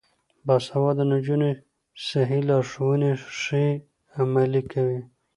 باسواده نجونې صحي لارښوونې ښې عملي کوي.